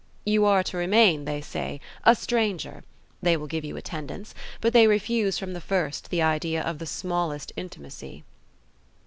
You are to remain, they say, a stranger; they will give you attendance, but they refuse from the first the idea of the smallest intimacy."